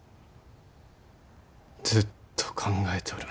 ずっと考えとる。